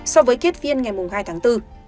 so với kết phiên ngày hai tháng bốn